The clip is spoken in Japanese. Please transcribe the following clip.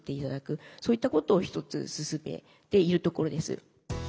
そういったことを一つ進めているところです。